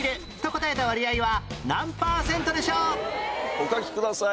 お書きください。